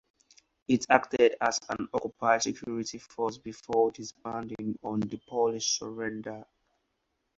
It acted as an occupied security force before disbanding on the Polish surrender.